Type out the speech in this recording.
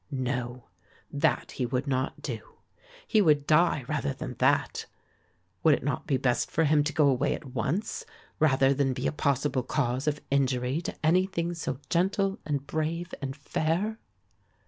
No, that he would not do. He would die rather than that. Would it not be best for him to go away at once rather than be a possible cause of injury to anything so gentle and brave and fair?